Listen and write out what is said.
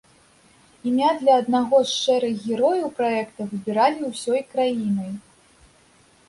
Імя для аднаго з шэрых герояў праекта выбіралі ўсёй краінай.